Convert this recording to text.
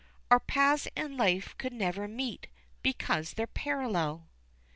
_Our paths in life could never meet, because they're parallel.